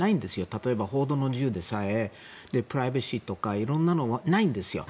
例えば、報道の自由でさえプライバシーとかいろいろなものがないんですよ。